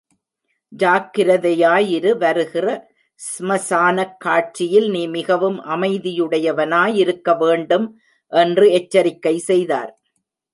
ஜாக்கிரதையாயிரு, வருகிற ஸ்மசானக்காட்சியில் நீ மிகவும் அமைதியுடையவனாயிருக்க வேண்டும்! என்று எச்சரிக்கை செய்தார்.